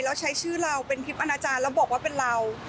แล้วใช้ชื่อเราเป็นคลิปอนาจารย์แล้วบอกว่าเป็นเรา